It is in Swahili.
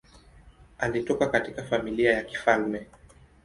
Alitoka katika familia ya kifalme.